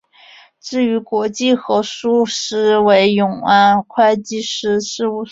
至于国际核数师为安永会计师事务所。